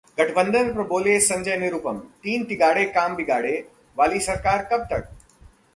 गठबंधन पर बोले संजय निरुपम- 'तीन तिगाड़े काम बिगाड़े' वाली सरकार कब तक?